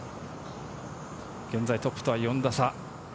現在トップとは４打差。